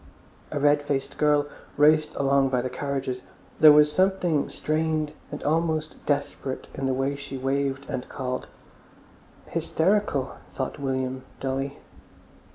A red faced girl raced along by the carriages, there was something strained and almost desperate in the way she waved and called. "Hysterical!" thought William dully.